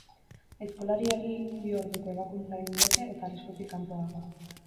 Aizkolariari bi orduko ebakuntza egin diote eta arriskutik kanpo dago.